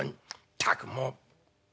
ったくもう。